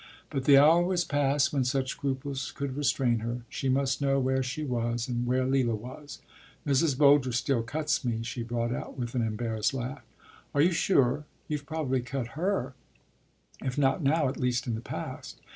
But the hour was past when such scruples could restrain her. She must know where she was and where Leila was. “Mrs. Boulger still cuts me,” she brought out with an embarrassed laugh. “Are you sure? You’ve probably cut her; if not now, at least in the past.